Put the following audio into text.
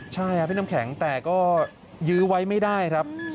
ใช่ครับพี่น้ำแข็งแต่ก็ยื้อไว้ไม่ได้ครับ